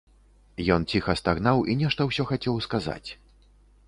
Ён ціха стагнаў і нешта ўсё хацеў сказаць.